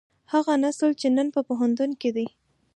هغه نسل چې نن په پوهنتون کې دی.